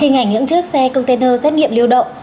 hình ảnh lưỡng trước xe container xét nghiệm lưu động